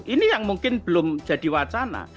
ini yang mungkin belum jadi wacana